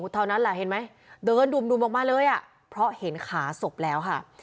เห็นไหมเดินดูมออกมาเลยเพราะเห็นขาศพแล้วค่ะ